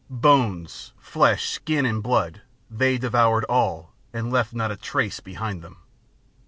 Bones, flesh, skin and blood, they devoured all, and left not a trace behind them.